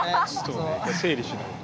１回整理しないと。